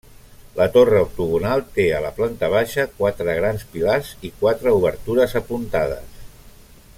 La torre octogonal té, a la planta baixa, quatre grans pilars i quatre obertures apuntades.